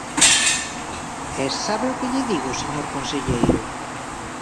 E ¿sabe o que lle digo, señor conselleiro?